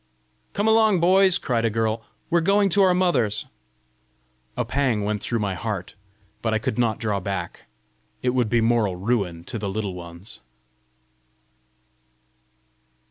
"Come along, boys!" cried a girl. "We're going to our mothers!" A pang went through my heart. But I could not draw back; it would be moral ruin to the Little Ones!